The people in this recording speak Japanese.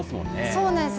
そうなんです。